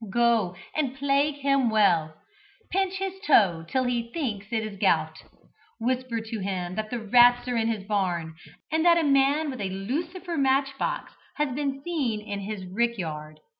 Go and plague him well. Pinch his toe till he thinks it is gout; whisper to him that the rats are in his barn, and that a man with a lucifer matchbox has been seen in his rick yard.